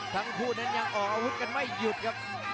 แชลเบียนชาวเล็ก